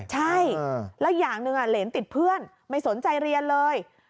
ใช่แล้วอย่างหนึ่งเหรนติดเพื่อนไม่สนใจเรียนเลย